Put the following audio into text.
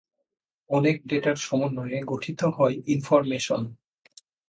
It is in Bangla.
অনেক ডেটার সমন্বয়ে গঠিত হয় ইনফরমেশন।